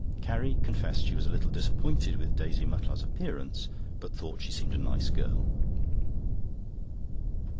Carrie confessed she was a little disappointed with Daisy Mutlar's appearance, but thought she seemed a nice girl.